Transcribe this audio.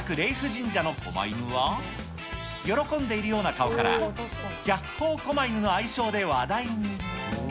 神社のこま犬は、喜んでいるような顔から、ひゃっこうこま犬の愛称で話題に。